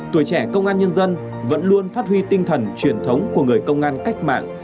tuổi trẻ công an nhân dân vẫn luôn phát huy tinh thần truyền thống của người công an cách mạng